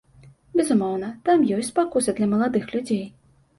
Безумоўна, там ёсць спакуса для маладых людзей.